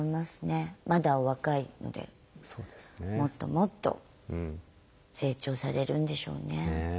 まだお若いのでもっともっと成長されるんでしょうね。